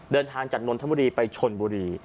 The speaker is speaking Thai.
เดินทางจากนนทบุรีไปชนบุรี